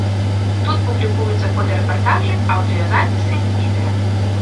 Тут публікуюцца фотарэпартажы, аўдыёзапісы, відэа.